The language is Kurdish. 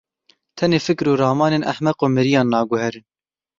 Tenê fikir û ramanên ehmeq û miriyan naguherin.